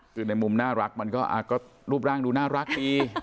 คือในมุมน่ารักมันก็รูปร่างดูน่ารักดี